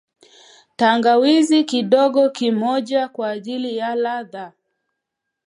Tangawizi kidogo kimojaa kwaajili ya ladha